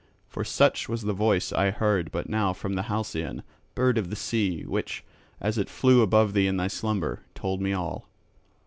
For such was the voice I heard but now from the halcyon, bird of the sea, which, as it flew above thee in thy slumber, told me all.